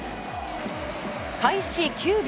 開始９秒